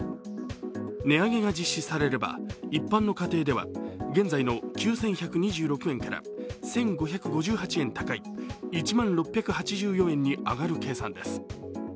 値上げが実施されれば一般の家庭では現在の９１２６円から１５５８円高い１万６８４円に上がる計算です。